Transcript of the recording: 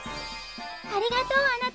ありがとうあなた。